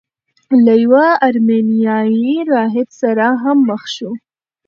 له یوه ارمینیايي راهب سره هم مخ شو.